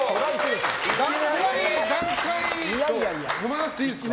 段階を踏まなくていいですか。